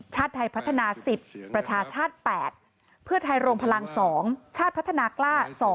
ชาติไทยพัฒนา๑๐ประชาชาติ๘เพื่อไทยรวมพลัง๒ชาติพัฒนากล้า๒